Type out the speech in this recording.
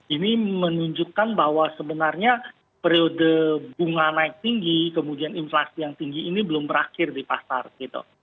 ini menunjukkan bahwa sebenarnya periode bunga naik tinggi kemudian inflasi yang tinggi ini belum berakhir di pasar gitu